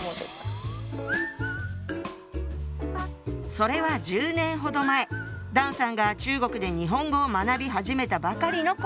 それは１０年ほど前段さんが中国で日本語を学び始めたばかりの頃。